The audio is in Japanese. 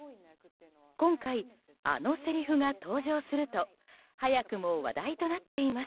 今回、あのせりふが登場すると早くも話題となっています。